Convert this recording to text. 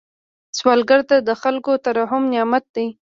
سوالګر ته د خلکو ترحم نعمت دی